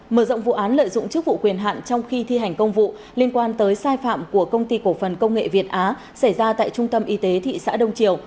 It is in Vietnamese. mở rộng vụ án lợi dụng chức vụ quyền hạn trong khi thi hành công vụ liên quan tới sai phạm của công ty cổ phần công nghệ việt á xảy ra tại trung tâm y tế thị xã đông triều